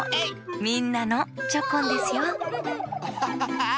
みんなのチョコンですよアハハハー！